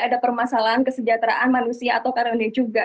ada permasalahan kesejahteraan manusia atau karone juga